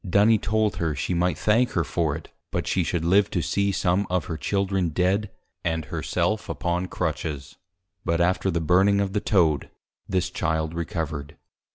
Duny told her, she might thank her for it; but she should live to see some of her Children Dead, and her self upon Crutches. But after the Burning of the Toad, this Child Recovered.